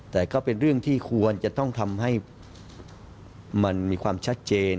แต่ก็เป็นเรื่องที่ควรจะต้องทำให้มันมีความชัดเจน